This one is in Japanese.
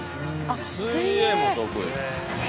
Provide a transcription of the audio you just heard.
「水泳も得意？」